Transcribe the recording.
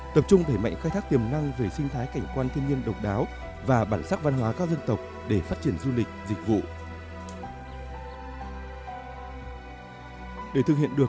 tập trung đẩy mạnh khai thác tiềm năng về sinh thái cảnh quan thiên nhiên độc đáo và bản sắc văn hóa các dân tộc để phát triển du lịch dịch vụ